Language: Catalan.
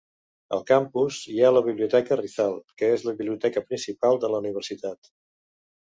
Al campus hi ha la biblioteca Rizal, que és la biblioteca principal de la universitat.